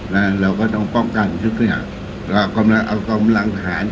แล้วเราก็ต้องป้องกันทุกอย่างกำลังสะหารเข้าไปดูแลเพิ่มมากขึ้น